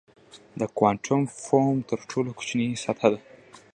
د کوانټم فوم تر ټولو کوچنۍ سطحه ده.